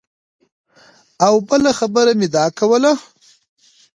او بله خبره مې دا کوله